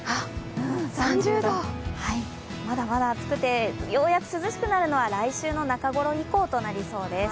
３０度、まだまだ暑くて、ようやく涼しくなるのは来週の中ごろ以降となりそうです。